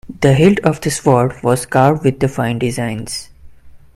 The hilt of the sword was carved with fine designs.